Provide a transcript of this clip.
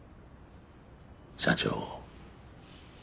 社長。